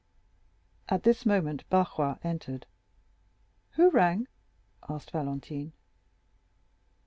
At this moment Barrois entered. "Who rang?" asked Valentine.